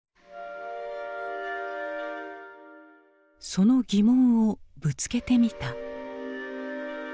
その疑問をぶつけてみた。